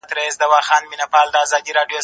زه له سهاره پاکوالي ساتم؟